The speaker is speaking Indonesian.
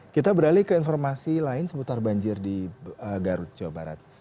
kita beralih ke informasi lain seputar banjir di garut jawa barat